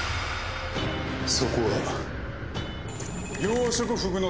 そこは。